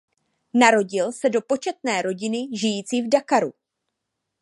Narodil se do početné rodiny žijící v Dakaru.